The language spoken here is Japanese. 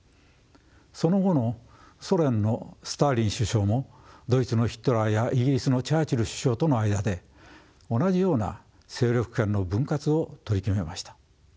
その後のソ連のスターリン首相もドイツのヒトラーやイギリスのチャーチル首相との間で同じような勢力圏の分割を取り決めました。